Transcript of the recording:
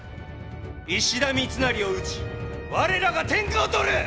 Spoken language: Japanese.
石田三成を討ち我らが天下を取る！